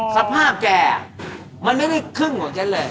สภาพแก่มันไม่ได้ขึ้นของเจ๊เลย